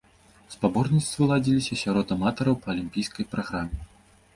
Спаборніцтвы ладзіліся сярод аматараў па алімпійскай праграме.